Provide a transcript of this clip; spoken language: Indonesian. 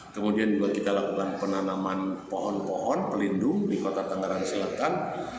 kemudian juga kita lakukan penanaman pohon pohon pelindung di kota tangerang selatan